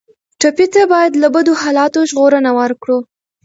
ټپي ته باید له بدو حالاتو ژغورنه ورکړو.